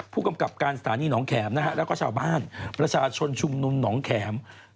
ผู้กำกับการสถานีหนองแขมนะฮะแล้วก็ชาวบ้านประชาชนชุมนุมหนองแข็ม